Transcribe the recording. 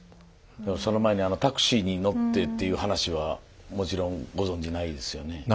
その前にあのタクシーに乗ってっていう話はもちろんご存じないですよね？